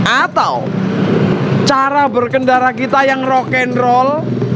atau cara berkendara kita yang rock and roll